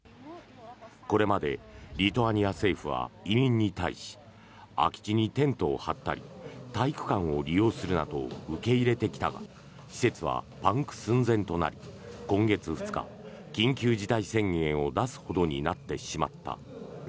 これまでリトアニア政府は移民に対し空き地にテントを張ったり体育館を利用するなど受け入れてきたが施設はパンク寸前となり今月２日、緊急事態宣言を出すほどになってしまった。